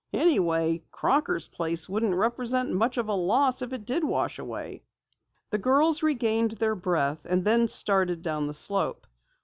Anyway, Crocker's place wouldn't represent much of a loss if it did wash away." The girls regained their breath, and then started down the slope.